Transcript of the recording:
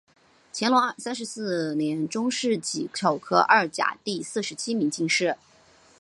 乾隆三十四年中式己丑科二甲第四十七名进士。